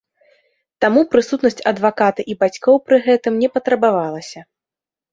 Таму прысутнасць адваката і бацькоў пры гэтым не патрабавалася.